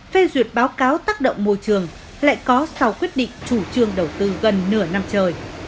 phê duyệt báo cáo tác động môi trường lại có sau quyết định chủ trương đầu tư gần nửa năm trời